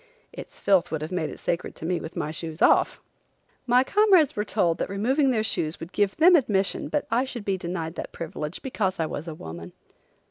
Its filth would have made it sacred to me with my shoes off! My comrades were told that removing their shoes would give them admission but I should be denied that privilege because I was a woman.